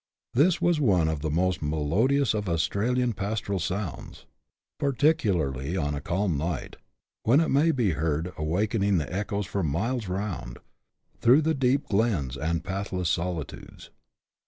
This is one of the most melodioas erf* Anstialian pastoral aonnds, partJenkilj on a calm n^t, when it m^ be heard, awakening the echoes for miles roond, throu^ tiie de^ glens, and pathkw solitodes.